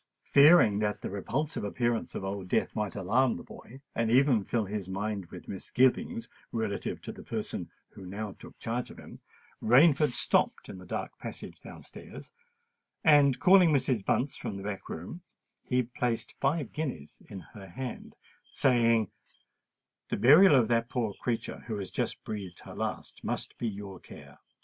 Fearing that the repulsive appearance of Old Death might alarm the boy, and even fill his mind with misgivings relative to the person who now took charge of him, Rainford stopped in the dark passage down stairs; and calling Mrs. Bunce from the back room, he placed five guineas in her hand, saying, "The burial of that poor creature who has just breathed her last, must be your care.